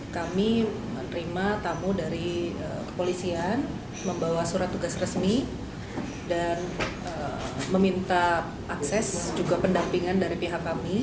kami menerima tamu dari kepolisian membawa surat tugas resmi dan meminta akses juga pendampingan dari pihak kami